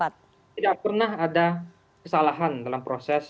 tidak pernah ada kesalahan dalam proses